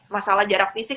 masalah jarak fisik